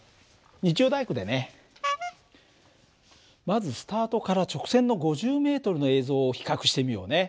まずスタートから直線の５０ｍの映像を比較してみようね。